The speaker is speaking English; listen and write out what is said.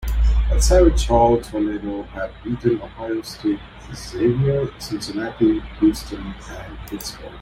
At Savage Hall, Toledo has beaten Ohio State, Xavier, Cincinnati, Houston and Pittsburgh.